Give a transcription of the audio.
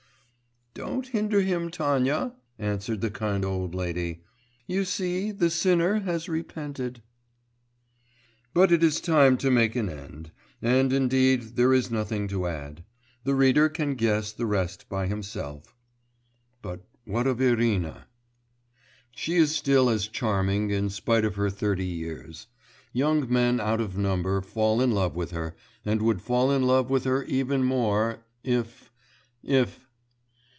'Don't hinder him, Tanya,' answered the kind old lady. 'You see the sinner has repented.' But it is time to make an end; and indeed there is nothing to add; the reader can guess the rest by himself.... But what of Irina? She is still as charming, in spite of her thirty years; young men out of number fall in love with her, and would fall in love with her even more, if ... if....